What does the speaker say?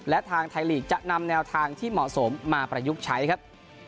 และทางไทยลีกจะนำแนวทางที่เหมาะสมมาประยุกต์ใช้ครับ